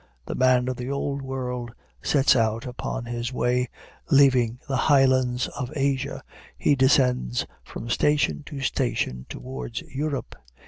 The man of the Old World sets out upon his way. Leaving the highlands of Asia, he descends from station to station towards Europe.